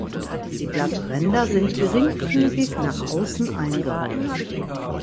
Die Blattränder sind geringfügig nach außen eingerollt.